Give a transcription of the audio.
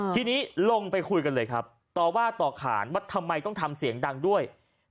ทีนี้ลงไปคุยกันเลยครับต่อว่าต่อขานว่าทำไมต้องทำเสียงดังด้วย